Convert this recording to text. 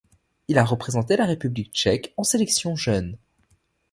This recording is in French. Il a représenté la République tchèque en sélection jeune.